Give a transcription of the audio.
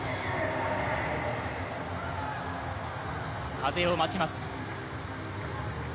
風を待ちます。